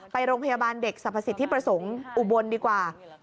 ไปโรงพยาบาลเด็กสรรพสิทธิประสงค์อุบลดีกว่า